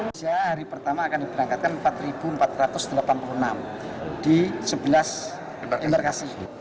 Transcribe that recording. usia hari pertama akan diberangkatkan empat empat ratus delapan puluh enam di sebelas embarkasi